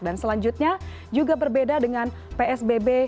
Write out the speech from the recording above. dan selanjutnya juga berbeda dengan psbb